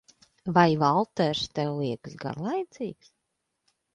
Vai Valters tev liekas garlaicīgs?